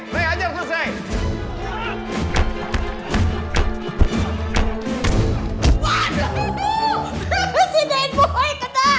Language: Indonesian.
ray anjar terus ray